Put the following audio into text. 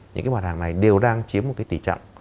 những mặt hàng này đều đang chiếm một tỷ trọng